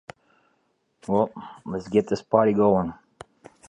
He released several mixtapes independently prior to signing with Alamo Records.